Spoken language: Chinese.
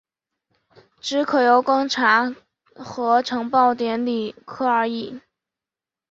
只可由庚查核呈报典礼科而已。